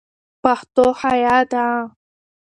پښتو حیا ده